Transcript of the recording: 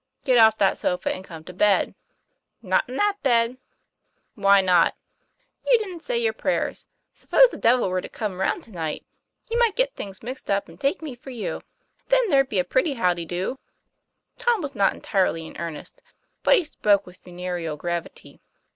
" Get off that sofa and come to bed." "Not in that bed." "Why not?" "You didn't say your prayers. Suppose the Devil were to come round to night: he might get things mixed up, and take me for you. Then there'd be a pretty how de do." Tom was not entirely in earnest, but he spoke with funereal gravity.